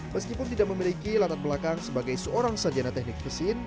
meskipun tidak memiliki latar belakang sebagai seorang sajana teknik mesin